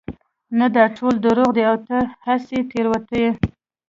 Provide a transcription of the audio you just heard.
نه دا ټول دروغ دي او ته هسې تېروتي يې